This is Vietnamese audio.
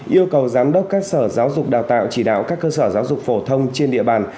yêu cầu giám đốc các sở giáo dục đào tạo chỉ đạo các cơ sở giáo dục phổ thông trên địa bàn